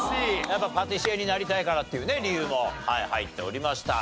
やっぱパティシエになりたいからっていう理由も入っておりました。